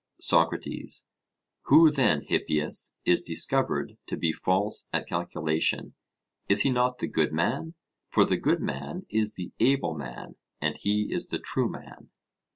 SOCRATES: Who, then, Hippias, is discovered to be false at calculation? Is he not the good man? For the good man is the able man, and he is the true man.